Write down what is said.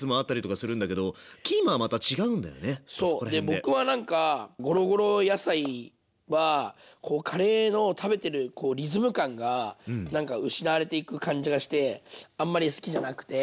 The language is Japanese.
僕は何かゴロゴロ野菜はカレーの食べてるリズム感が何か失われていく感じがしてあんまり好きじゃなくて。